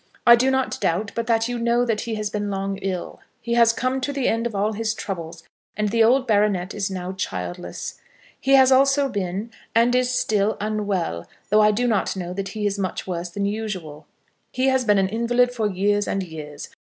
I do not doubt but that you know that he has been long ill. He has come to the end of all his troubles, and the old baronet is now childless. He also has been, and is still, unwell, though I do not know that he is much worse than usual. He has been an invalid for years and years.